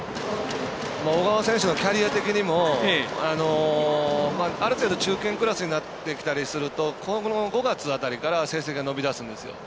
小川選手のキャリア的にもある程度、中堅クラスになってきたりすると５月辺りから成績が伸びだすんですよ。